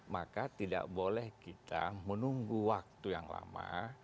maka tidak boleh kita menunggu waktu yang lama